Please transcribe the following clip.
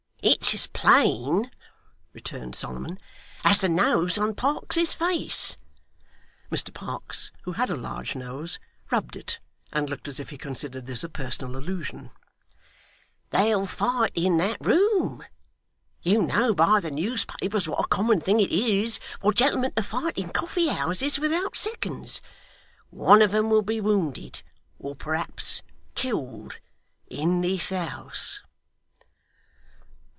'It's as plain,' returned Solomon, 'as the nose on Parkes's face' Mr Parkes, who had a large nose, rubbed it, and looked as if he considered this a personal allusion 'they'll fight in that room. You know by the newspapers what a common thing it is for gentlemen to fight in coffee houses without seconds. One of 'em will be wounded or perhaps killed in this house.